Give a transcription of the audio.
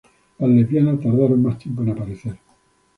Las lesbianas tardaron más tiempo en aparecer.